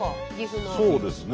そうですね